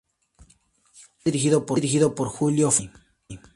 Será dirigido por Julio Falcioni.